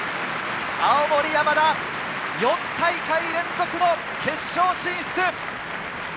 青森山田、４大会連続の決勝進出。